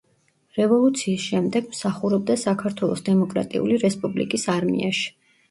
რევოლუციის შემდეგ მსახურობდა საქართველოს დემოკრატიული რესპუბლიკის არმიაში.